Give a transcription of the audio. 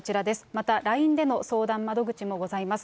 またＬＩＮＥでの相談窓口もございます。